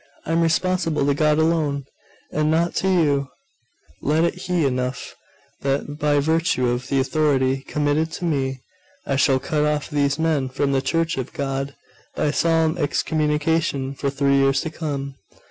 I am responsible to God alone, and not to you: let it be enough that by virtue of the authority committed to me, I shall cut off these men from the Church of God, by solemn excommunication, for three years to come.